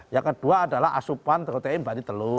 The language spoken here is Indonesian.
yang kedua adalah asupan terutaya yang dibagi telur